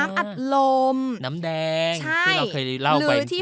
อ่าน้ำอัดลมน้ำแดงใช่ที่เราเคยเล่าไปเช่นเดียวกันหรือที่